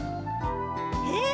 へえ。